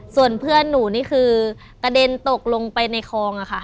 ส่วนเพื่อนหนูนี่คือกระเด็นตกลงไปในคลองค่ะ